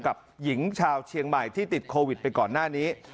กับหญิงชาวเชียงใหม่ที่ติดโควิดไปก่อนหน้านี้